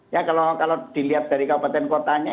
ya kalau dilihat dari kabupaten kotanya